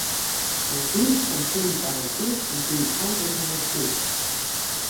Лгәи лшьамхи мкәараҵеит, лгәы иҭалкыз налыгӡеит.